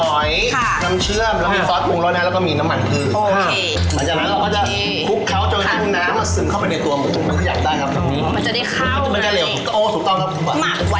แบบปุ๊บมาลหอยน้ำเชื้อมแล้วก็มีซาสปรุงรสในหละ